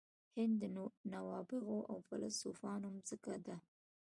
هند د نوابغو او فیلسوفانو مځکه ده.